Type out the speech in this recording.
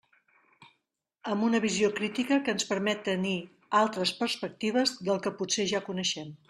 Amb una visió crítica que ens permet tenir altres perspectives del que potser ja coneixem.